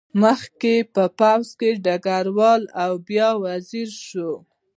مخکې یې په پوځ کې ډګروال و او بیا وزیر شو.